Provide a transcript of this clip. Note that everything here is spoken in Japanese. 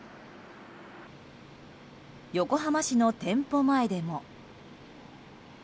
横浜市の店舗前でも。